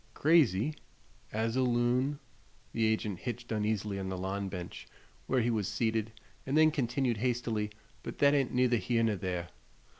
"Crazy?" "As a loon." The agent hitched uneasily on the lawn bench, where he was seated, and then continued, hastily: "But thet ain't neither here ner there.